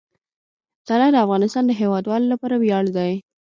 طلا د افغانستان د هیوادوالو لپاره ویاړ دی.